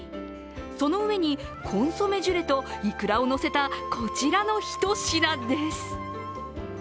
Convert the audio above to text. その上に、コンソメジュレといくらを乗せたこちらのひと品です。